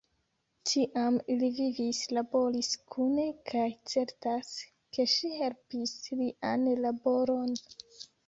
Tiam ili vivis, laboris kune kaj certas, ke ŝi helpis lian laboron.